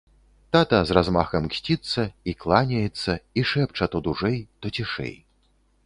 Тата з размахам ксціцца, і кланяецца, і шэпча то дужэй, то цішэй.